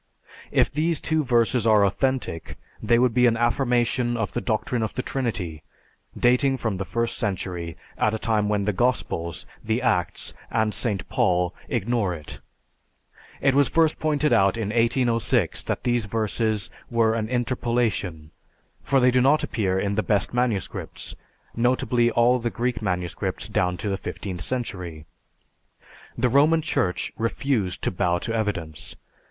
If these two verses are authentic, they would be an affirmation of the doctrine of the Trinity, dating from the first century, at a time when the Gospels, the Acts, and St. Paul ignore it. It was first pointed out in 1806 that these verses were an interpolation, for they do not appear in the best manuscripts, notably all the Greek manuscripts down to the fifteenth century. The Roman Church refused to bow to evidence.